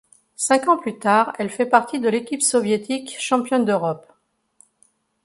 Cinq ans plus tard, elle fait partie de l'équipe soviétique championne d'Europe.